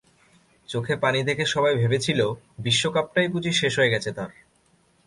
চোখে পানি দেখে সবাই ভেবেছিল, বিশ্বকাপটাই বুঝি শেষ হয়ে গেছে তাঁর।